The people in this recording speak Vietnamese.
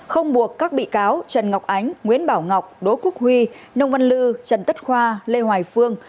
không buộc các bị cáo trần ngọc ánh nguyễn bảo ngọc đỗ quốc huy nông văn lư trần tất khoa lê hoài phương